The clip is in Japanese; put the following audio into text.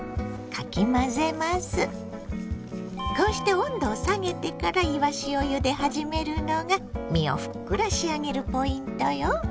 こうして温度を下げてからいわしをゆで始めるのが身をふっくら仕上げるポイントよ。